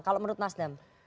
kalau menurut nasdem